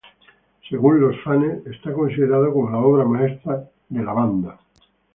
Según los fanes, es considerado como la obra maestra de la banda.